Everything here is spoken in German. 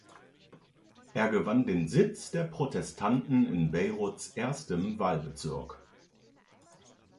Er gewann den Sitz der Protestanten in Beiruts erstem Wahlbezirk.